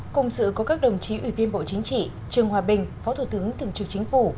cùng sự có các đồng chí ủy viên bộ chính trị trương hòa bình phó thủ tướng thượng trưởng chính phủ